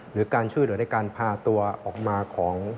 หรือการช่วยเหลือในการพาตัวออกมาของ